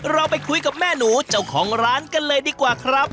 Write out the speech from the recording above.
เราไปคุยกับแม่หนูเจ้าของร้านกันเลยดีกว่าครับ